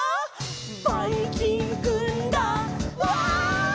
「ばいきんくんだうわァ！」